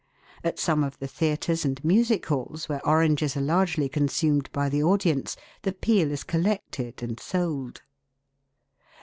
At some of the theatres and music halls, where oranges are largely consumed by the audience, the peel is collected and sold.